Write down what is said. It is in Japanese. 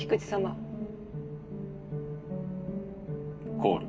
コール。